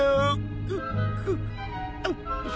うっくっ。